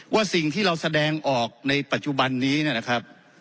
ว่าสิ่งที่เราแสดงออกในปัจจุบันนี้นะครับ